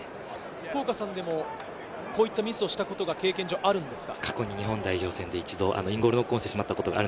福岡さんでもこういったミスをしたことは経験上あるんですか？